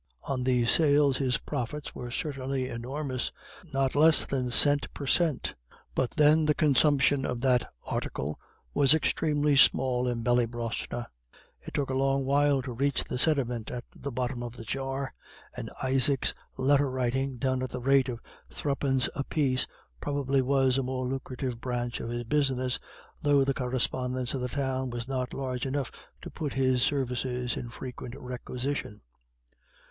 On these sales his profits were certainly enormous, not less than cent. per cent., but then the consumption of that article was extremely small in Ballybrosna. It took a long while to reach the sediment at the bottom of the jar, and Isaac's letter writing, done at the rate of thruppence a piece, probably was a more lucrative branch of his business, though the correspondence of the Town was not large enough to put his services in frequent requisition.